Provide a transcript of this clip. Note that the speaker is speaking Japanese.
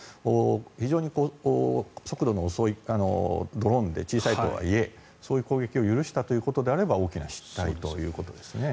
非常に速度の遅いドローンで小さいとはいえそういう攻撃を許したということであれば大きな失態ということですね。